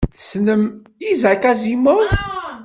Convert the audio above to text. Tessnem Isaac Asimov?